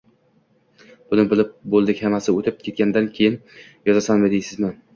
Buni bilib bo‘ldik, hammasi o‘tib ketganidan keyin yozasanmi deysizmi?